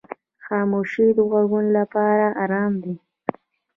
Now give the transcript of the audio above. خاموشي د غوږو لپاره آرام دی.